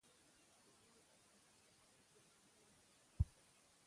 تنوع د افغانستان د جغرافیې بېلګه ده.